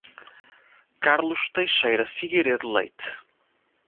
Carlos Teixeira Figueiredo Leite